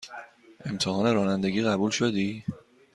امتحان رانندگی قبول شدی؟